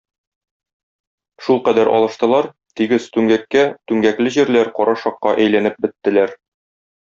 Шулкадәр алыштылар - тигез - түмгәккә, түмгәкле җирләр карашакка әйләнеп беттеләр.